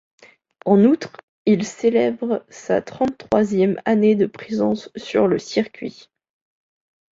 En outre, il célèbre sa trente-troisième année de présence sur le circuit.